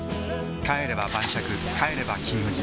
帰れば晩酌帰れば「金麦」